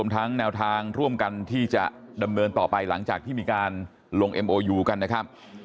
ถ้าเขาตกลงกันได้ก็ขอให้ตกลงด้วยดีครับ